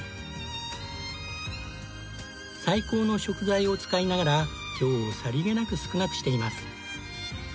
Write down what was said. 最高の食材を使いながら量をさりげなく少なくしています。